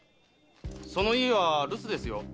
その家は留守ですよ。